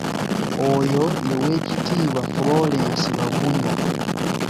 Oyo ye weekitiibwa Frolence Bagunywa.